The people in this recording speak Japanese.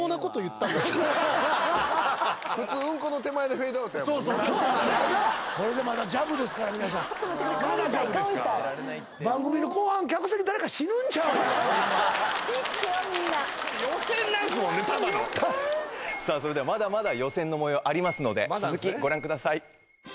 ただのそれではまだまだ予選の模様ありますので続きご覧ください